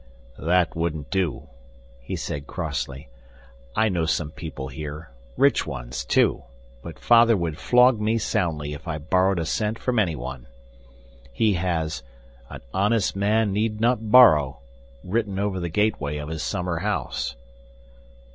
"That wouldn't do," he said crossly. "I know some people here, rich ones, too, but father would flog me soundly if I borrowed a cent from anyone. He has 'An honest man need not borrow' written over the gateway of his summer house."